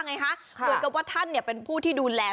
โดยก็ว่าท่านเนี่ยเป็นผู้ที่ดูแล